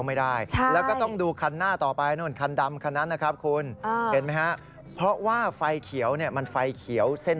บางคนก็บอกว่าไม่อะคนก็เปิดไฟเลี้ยว